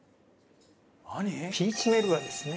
ピーチメルバですね。